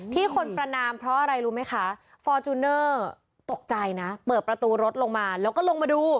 ที่คนประนามเพราะอะไรรู้ไหมคะฟอร์จูเนอร์ตกใจนะเปิดประตูรถลงมาแล้วก็ลงมาดู